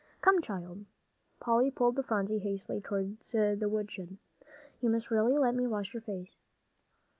"Come, child," Polly pulled Phronsie hastily toward the woodshed, "you must really let me wash your face."